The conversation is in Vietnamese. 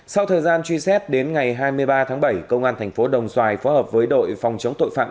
sau thời gian truy xét đến ngày hai mươi ba tháng bảy công an thành phố đồng xoài phó hợp với đội phòng chống tội phạm